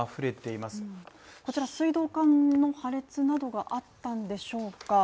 こちら水道管の破裂などがあったんでしょうか。